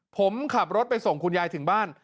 ผมขับรถไปส่งคุณยายถึงบ้าน